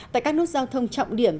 tại các nốt giao thông trọng điểm